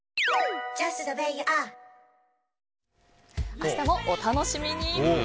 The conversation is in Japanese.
明日もお楽しみに。